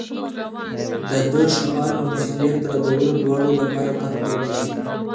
دا د شعار او مسؤلیت ردولو دواړو لپاره کار کولی شي